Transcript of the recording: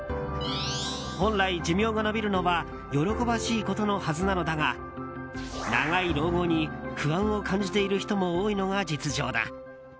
本来、寿命が延びるのは喜ばしいことのはずなのだが長い老後に不安を感じている人も多いのが実情だ。